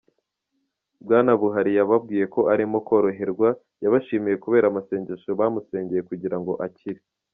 Bwana Buhari yababwiye ko arimo koroherwa, yabashimiye kubera amasengesho bamusengeye kugira ngo akire.